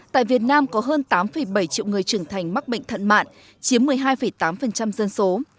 tại việt nam có hơn tám bảy triệu người trưởng thành mắc bệnh thận mạng chiếm một mươi hai tám dân số